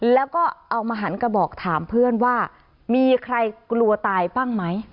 แล้วก็เอามาหันกระบอกถามเพื่อนว่ามีใครกลัวตายบ้างไหม